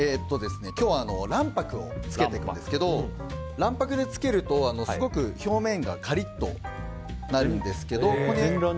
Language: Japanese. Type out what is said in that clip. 今日は卵白をつけていきますが卵白でつけると、すごく表面がカリッとなるんですけど。